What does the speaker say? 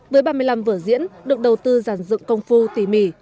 với ba mươi năm vở diễn được đầu tư giàn dựng công phu tỉ mỉ